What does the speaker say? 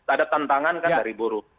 ada tantangan kan dari buruh